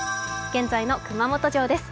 現在の熊本城です。